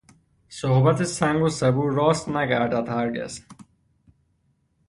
صحبت سنگ و سبو راست نگردد هرگز.